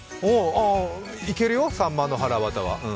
いけるよ、さんまのはらわたは。